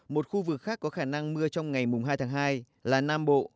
một khu vực khác có khả năng mưa trong ngày hai tháng hai là nam bộ